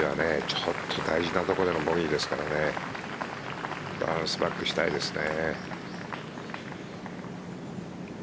ちょっと大事なところでのボギーですからねバウンスバックしたいですね。